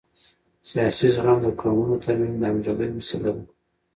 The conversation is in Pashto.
سیاسي زغم د قومونو ترمنځ د همغږۍ وسیله ده